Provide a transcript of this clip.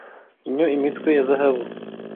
Inyo-imitwe ya zahabu